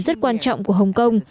rất quan trọng của hồng kông